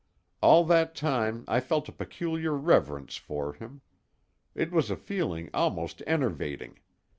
All that time I felt a peculiar reverence for him. It was a feeling almost enervating.